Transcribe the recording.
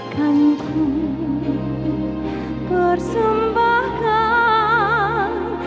kan ku bersembahkan